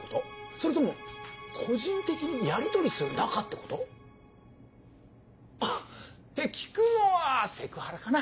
それとも個人的にやりとりする仲ってこと？って聞くのはセクハラかな？